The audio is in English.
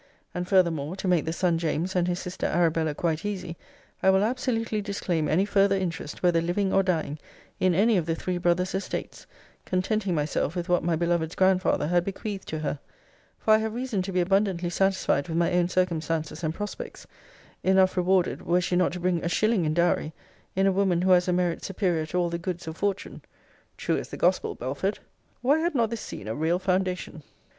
And furthermore, to make the son James and his sister Arabella quite easy, I will absolutely disclaim any further interest, whether living or dying, in any of the three brothers' estates; contenting myself with what my beloved's grandfather had bequeathed to her: for I have reason to be abundantly satisfied with my own circumstances and prospects enough rewarded, were she not to bring a shilling in dowry, in a woman who has a merit superior to all the goods of fortune. True as the Gospel, Belford! Why had not this scene a real foundation?